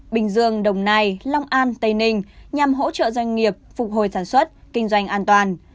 bình dương đồng nai long an tây ninh nhằm hỗ trợ doanh nghiệp phục hồi sản xuất kinh doanh an toàn